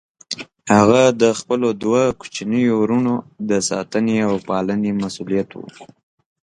هغه د خپلو دوه کوچنيو وروڼو د ساتنې او پالنې مسئوليت و.